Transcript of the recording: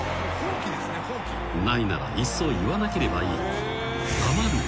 ［ないならいっそ言わなければいい］